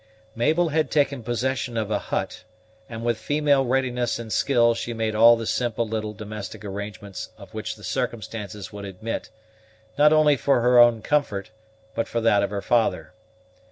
Mabel had taken possession of a hut; and with female readiness and skill she made all the simple little domestic arrangements of which the circumstances would admit, not only for her own comfort, but for that of her father.